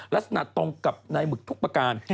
ลักษณะตรงกับในหมึกทุกประการ